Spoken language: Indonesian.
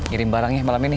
ngirim barangnya malam ini